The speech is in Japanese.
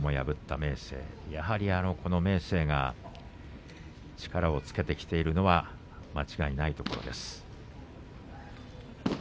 明生がやはり力をつけてきているのは間違いないところです。